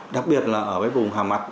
đặc biệt là ở vùng hàm mặt